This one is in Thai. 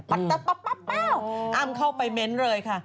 ปั๊บอ้ำเข้าไปเม้นต์เลยค่ะ